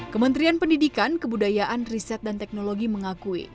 kementerian pendidikan kebudayaan riset dan teknologi mengakui